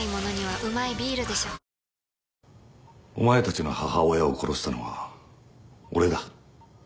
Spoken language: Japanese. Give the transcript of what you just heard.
糖質ゼロお前たちの母親を殺したのは俺だ。